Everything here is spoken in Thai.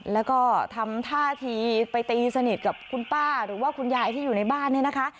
แล้วก็ทำท่าทีไปตีสนิทกับคุณป้าหรือว่าคุณยายที่อยู่ในบ้านเนี่ยนะคะ